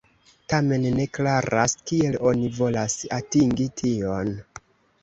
Tamen ne klaras, kiel oni volas atingi tion.